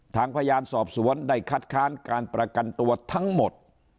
ทางพยานสอบสวนได้คัดค้านการประกันตัวทั้งหมด